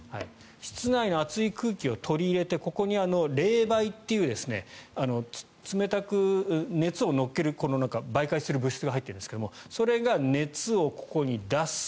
室内の熱い空気を取り入れてここに冷媒という冷たく熱を乗っける媒介する物質が入ってるんですがそれが熱をここに出す。